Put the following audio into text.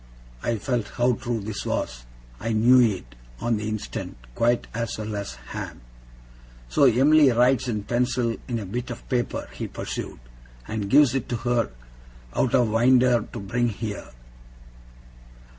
I felt how true this was. I knew it, on the instant, quite as well as Ham. 'So Em'ly writes in pencil on a bit of paper,' he pursued, 'and gives it to her out o' winder to bring here.